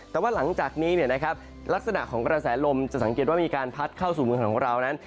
แต่ว่าหลังจากนี้ลักษณะของกระแสลมจะสังเกตว่ามีการพัดเข้าสู่เมืองของเรานั้น